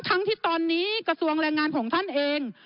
ทั้งที่ตอนนี้กระทรวงแรงงานของท่านเอง